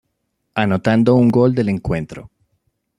Anotando un gol del encuentro.